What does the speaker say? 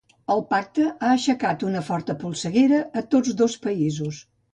El pacte ha aixecat una forta polseguera a tots dos països.